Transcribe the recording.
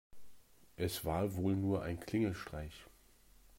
Es war wohl nur ein Klingelstreich.